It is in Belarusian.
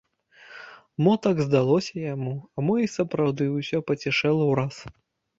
Мо так здалося яму, а мо й сапраўды ўсё пацішэла ўраз?